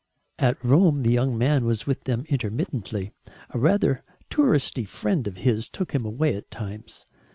At Rome the young man was with them intermittently. A rather "touristy" friend of his took him away at times.